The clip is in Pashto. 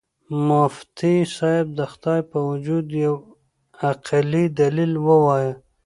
مفتي صاحب د خدای په وجود یو عقلي دلیل ووایه.